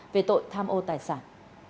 về tội tham ô tài sản